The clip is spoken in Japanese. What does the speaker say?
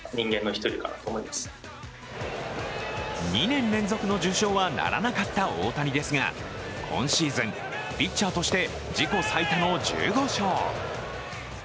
２年連続の受賞はならなかった大谷ですが、今シーズン、ピッチャーとして自己最多の１５勝。